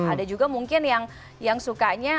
ada juga mungkin yang sukanya